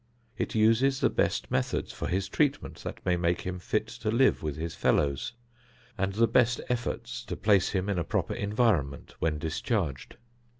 It uses the best methods for his treatment that may make him fit to live with his fellows, and the best efforts to place him in a proper environment when discharged.